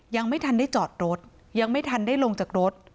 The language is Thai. ยังไม่ทันได้จอดรถยังไม่ทันได้ลงจากรถ